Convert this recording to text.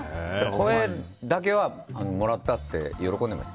声だけはもらったって喜んでます。